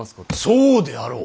そうであろう！？